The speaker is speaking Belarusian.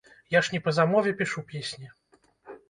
Я ж не па замове пішу песні.